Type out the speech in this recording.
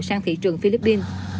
sang thị trường philippines